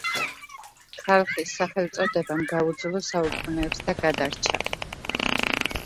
ხალხის სახელწოდებამ გაუძლო საუკუნეებს და გადარჩა.